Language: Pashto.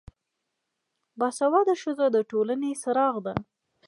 با سواده ښځه دټولنې څراغ ده